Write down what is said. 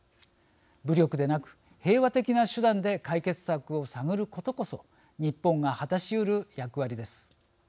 武力でなく平和的な手段で解決策を探ることこそ日本が果たしうる役割です。